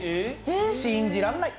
信じらんない！